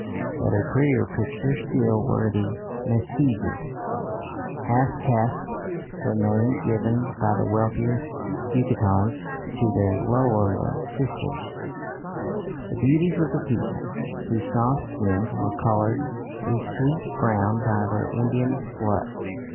But a prettier picture still were the Mestizas (half castes, the name given by the wealthier Yucatecans to their lowlier sisters), the beauties of the people, whose soft skins were coloured a sweet brown by their Indian blood.